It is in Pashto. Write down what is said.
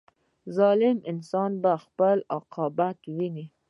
• ظالم انسان به خپل عاقبت ویني.